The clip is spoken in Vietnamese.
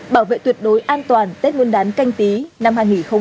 bảo vệ tuyệt đối an toàn tết nguyên đán canh tí năm hai nghìn hai mươi